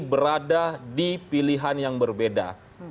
berada di pilihan yang berbeda